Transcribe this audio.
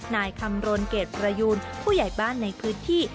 นายคำรณเกรดประยูนผู้ใหญ่บ้านในพื้นที่